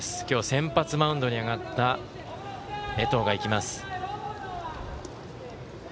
先発マウンドに上がった江藤が行きます。